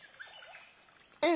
うん。